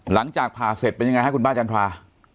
หลังจากผ่าเสร็จเป็นยังไงฮะคุณป้าจันทรา